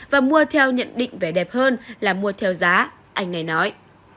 và mua theo nhận định vẻ đẹp hơn là mua theo giá anh này nói